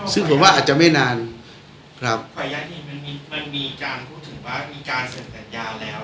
ซึ่งผมว่าอาจจะไม่นานนี้มันมีการพูดถึงว่ามีการเซ็นสัญญาแล้ว